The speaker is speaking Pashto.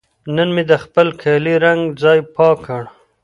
نن مې د خپل کالي رنګه ځای پاک کړ.